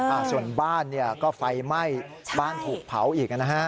อ่าส่วนบ้านเนี่ยก็ไฟไหม้บ้านถูกเผาอีกนะฮะ